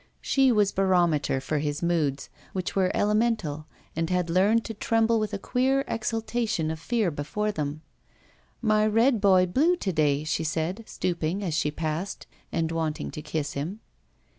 She was barometer for his moods, which were elemental, and had learned to tremble with a queer exaltation of fear before them, "My Red boy blue to day," she said, stooping as she passed and wanting to kiss him.